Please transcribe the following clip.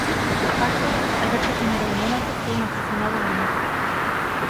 Aparte, Alberto I de Mónaco fue un aficionado del mar.